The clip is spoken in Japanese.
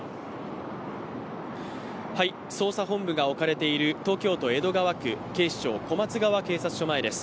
捜査本部が置かれている東京都江戸川区警視庁小松川警察署前です。